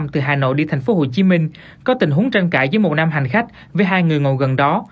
từ hà nội đi tp hcm có tình huống tranh cãi giữa một nam hành khách với hai người ngồi gần đó